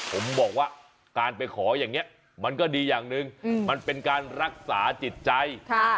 ผมบอกว่าการไปขออย่างนี้มันก็ดีอย่างหนึ่งมันเป็นการรักษาจิตใจ